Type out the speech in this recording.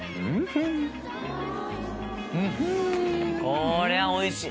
こりゃおいしい！